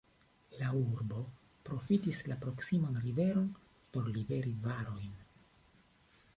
La urbo profitis la proksiman riveron por liveri varojn.